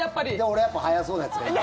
俺はやっぱり速そうなやつがいい。